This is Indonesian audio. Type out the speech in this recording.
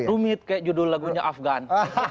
rumit kayak judul lagunya afgan